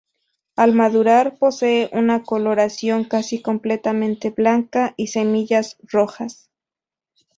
Al madurar, posee una coloración casi completamente blanca y semillas rojas.